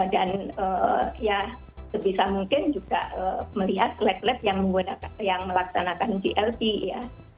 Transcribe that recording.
dan ya sebisa mungkin juga melihat lab lab yang melaksanakan glt ya